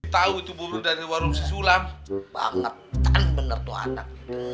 tahu tubuh dari warung sulam banget bener bener